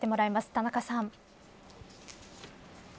田中さん。